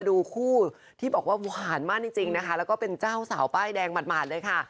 ดูคู่ที่บอกว่าหวานมากจริงนะคะแล้วก็เป็นเจ้าสาวป้ายแดงหมาดเลยค่ะ